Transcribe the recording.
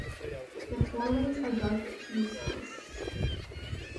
The forewings are dark fuscous.